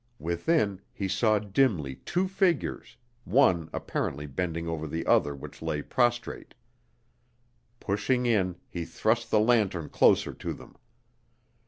Within, he saw dimly two figures, one apparently bending over the other which lay prostrate. Pushing in, he thrust the lantern closer to them.